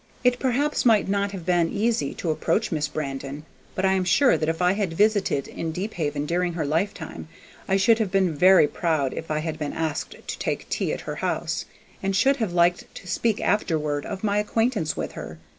It perhaps might not have been easy to approach Miss Brandon, but I am sure that if I had visited in Deephaven during her lifetime I should have been very proud if I had been asked to take tea at her house, and should have liked to speak afterward of my acquaintance with her.